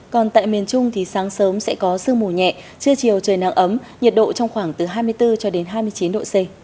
còn tại miền trung thì sáng sớm sẽ có sương mù nhẹ chưa chiều trời nắng ấm nhiệt độ trong khoảng từ hai mươi bốn cho đến hai mươi chín độ c